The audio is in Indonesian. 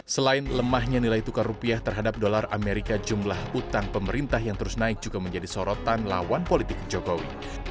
selain lemahnya nilai tukar rupiah terhadap dolar amerika jumlah utang pemerintah yang terus naik juga menjadi sorotan lawan politik jokowi